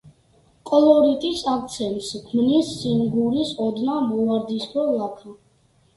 კოლორიტის აქცენტს ქმნის სინგურის ოდნავ მოვარდისფრო ლაქა.